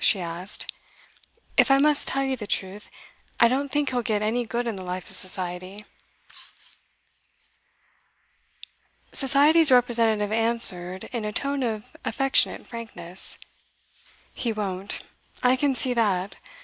she asked. 'If I must tell you the truth, I don't think he'll get any good in the life of society.' Society's representative answered in a tone of affectionate frankness: 'He won't; I can see that.